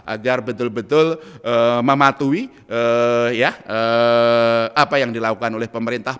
agar betul betul mematuhi apa yang dilakukan oleh pemerintah